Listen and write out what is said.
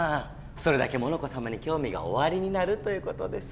それだけモノコさまにきょうみがおありになるということです！